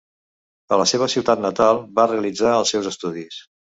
A la seva ciutat natal, va realitzar els seus estudis.